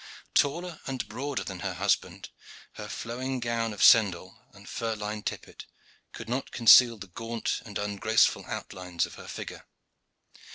Taller and broader than her husband, her flowing gown of sendall, and fur lined tippet, could not conceal the gaunt and ungraceful outlines of her figure.